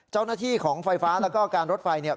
เจ้าหน้าที่ของไฟฟ้าและการรถไฟ